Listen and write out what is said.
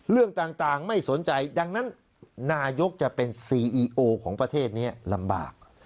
เรื่องต่างไม่สนใจดังนั้นนายกจะเป็นซีอีโอของประเทศนี้ลำบาก